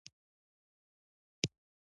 سړي يودم وخندل: